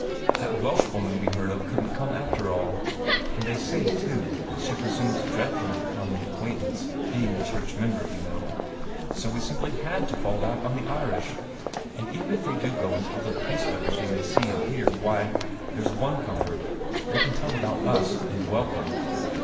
"That Welsh woman we heard of couldn't come, after all; and they say, too, that she presumes dreadfully upon the acquaintance, being a church member, you know. So we simply had to fall back on the Irish. And even if they do go and tell their priest everything they see and hear, why, there's one comfort, they can tell about US and welcome.